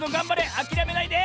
あきらめないで！